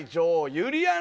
ゆりやん